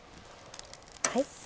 はい。